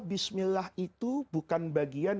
bismillah itu bukan bagian